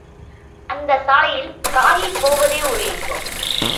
அந்தச் சாலையில் காரில் போவதே ஒரு இன்பம்.